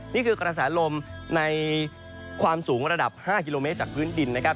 นี่คือกระแสลมในความสูงระดับ๕กิโลเมตรจากพื้นดินนะครับ